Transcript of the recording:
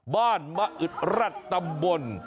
บ้านมะอึดรัตน์ตำบล